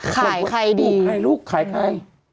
ขายใครดีปลูกให้ลูกขายใคร